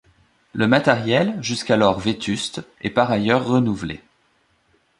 Le matériel, jusqu'alors vétuste, est par ailleurs renouvelé.